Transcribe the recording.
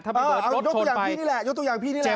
เอายกตัวอย่างพี่นี่แหละยกตัวอย่างพี่นี่แหละ